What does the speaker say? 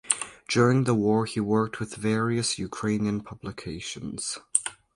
During the war he worked with various Ukrainian publications.